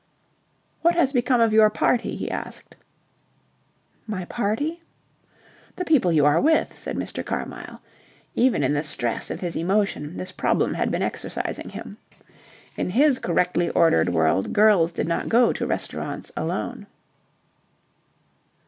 "What has become of your party?" he asked. "My party?" "The people you are with," said Mr. Carmyle. Even in the stress of his emotion this problem had been exercising him. In his correctly ordered world girls did not go to restaurants alone.